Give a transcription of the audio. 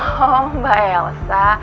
oh mbak elsa